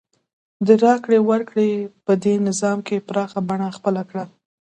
راکړې ورکړې په دې نظام کې پراخه بڼه خپله کړه.